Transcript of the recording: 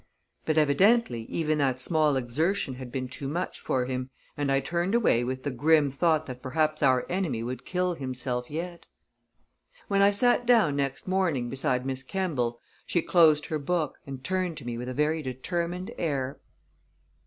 But, evidently, even that small exertion had been too much for him, and I turned away with the grim thought that perhaps our enemy would kill himself yet. When I sat down, next morning, beside Miss Kemball, she closed her book, and turned to me with a very determined air.